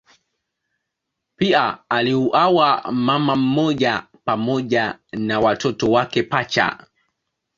Pia aliuawa mama mmoja pamoja na watoto wake pacha.